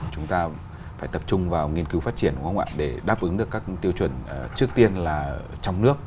chúng ta phải tập trung vào nghiên cứu phát triển để đáp ứng được các tiêu chuẩn trước tiên là trong nước